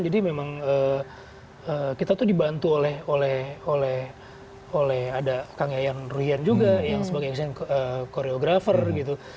jadi memang kita tuh dibantu oleh ada kang yayan ruyian juga yang sebagai action choreographer gitu